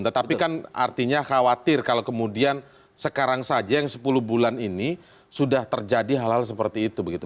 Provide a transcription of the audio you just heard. tetapi kan artinya khawatir kalau kemudian sekarang saja yang sepuluh bulan ini sudah terjadi hal hal seperti itu begitu